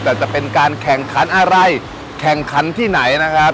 แต่จะเป็นการแข่งขันอะไรแข่งขันที่ไหนนะครับ